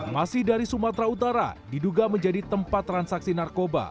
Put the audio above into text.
masih dari sumatera utara diduga menjadi tempat transaksi narkoba